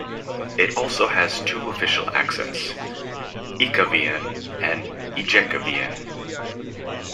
It also has two official accents: Ekavian and Ijekavian.